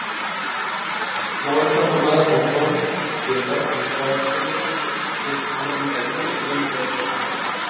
La banda estaba formada por Tom Delonge, David Kennedy, Anthony Celestino y Travis Barker.